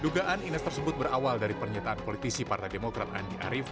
dugaan ines tersebut berawal dari pernyataan politisi partai demokrat andi arief